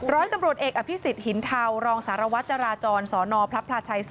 ร้อยตำรวจเอกอภิษฎหินเทารองสารวัตรจราจรสนพระพลาชัย๒